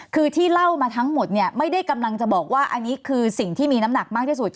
คือที่เล่ามาทั้งหมดเนี่ยไม่ได้กำลังจะบอกว่าอันนี้คือสิ่งที่มีน้ำหนักมากที่สุด